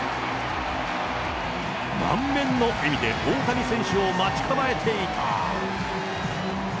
満面の笑みで大谷選手を待ち構えていた。